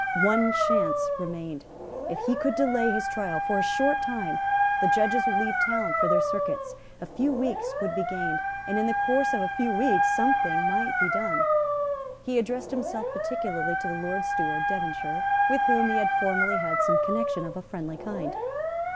One chance remained. If he could delay his trial for a short time, the judges would leave town for their circuits; a few weeks would be gained; and in the course of a few weeks something might be done. He addressed himself particularly to the Lord Steward, Devonshire, with whom he had formerly had some connection of a friendly kind.